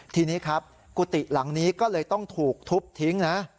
ทีนี้ครับกุฏิหลังนี้ก็เลยต้องถูกทุบทิ้งนะ